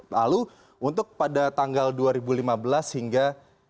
lalu untuk pada tanggal dua ribu lima belas hingga dua ribu dua puluh